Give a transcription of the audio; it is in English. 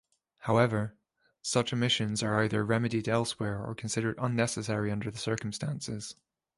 However, such omissions are either remedied elsewhere or considered unnecessary under the circumstances.